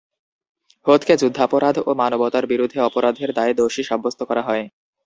হোথকে যুদ্ধাপরাধ ও মানবতার বিরুদ্ধে অপরাধের দায়ে দোষী সাব্যস্ত করা হয়।